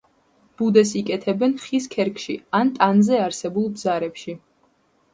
ბუდეს იკეთებენ ხის ქერქში ან ტანზე არსებულ ბზარებში.